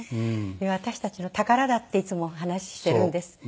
私たちの宝だっていつも話しているんです。